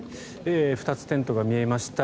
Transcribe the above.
２つテントが見えました。